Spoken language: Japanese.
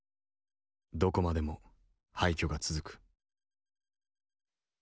どこまでも廃虚が続く。